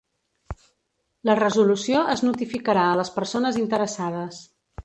La resolució es notificarà a les persones interessades.